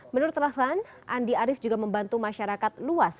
menurut rahlan andi arief juga membantu masyarakat luas